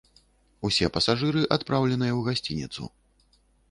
Усе пасажыры адпраўленыя ў гасцініцу.